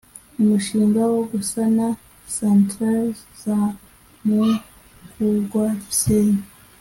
Umushinga wo gusana Centrales za Mukungwa Gisenyi